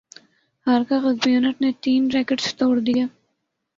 ہارکاغصہبیئونٹ نے تین ریکٹس توڑ دیئے